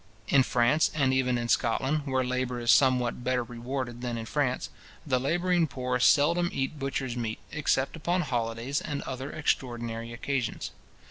In France, and even in Scotland, where labour is somewhat better rewarded than in France, the labouring poor seldom eat butcher's meat, except upon holidays, and other extraordinary occasions.